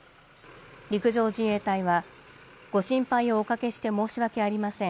陸上自衛隊は、ご心配をおかけして申し訳ありません。